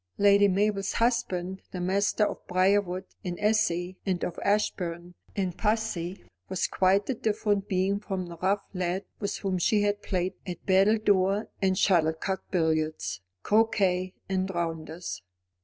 Lady Mabel's husband, the master of Briarwood in esse, and of Ashbourne in posse, was quite a different being from the rough lad with whom she had played at battledore and shuttlecock, billiards, croquet, and rounders.